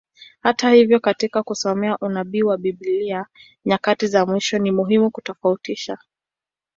Hata hivyo, katika kusoma unabii wa Biblia nyakati za mwisho, ni muhimu kutofautisha.